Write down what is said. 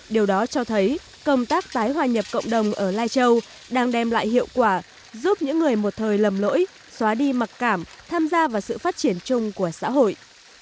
điều đó cho thấy công tác tái hòa nhập cộng đồng ở lai châu đang đem lại hiệu quả giúp những người một thời lầm lỗi xóa đi mặc cảm tham gia vào sự phát triển chung của xã hội